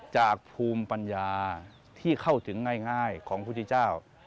จากภูมิปัญญาที่เข้าถึงง่ายของพุทธเจ้า